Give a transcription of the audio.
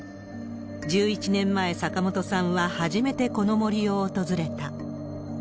１１年前、坂本さんは初めてこの森を訪れた。